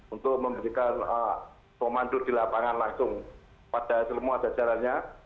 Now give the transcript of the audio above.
untuk memberikan pemandu di lapangan langsung pada semua dajarannya